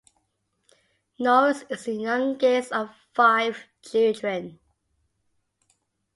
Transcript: Norris is the youngest of five children.